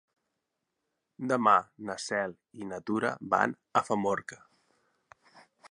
Demà na Cel i na Tura van a Famorca.